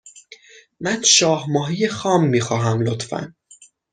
من شاه ماهی خام می خواهم، لطفا.